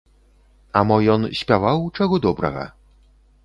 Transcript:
А мо ён спяваў, чаго добрага?